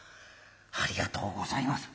ありがとうございます」。